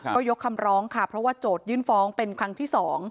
ก็ยกคำร้องค่ะเพราะว่าโจทยื่นฟ้องเป็นครั้งที่๒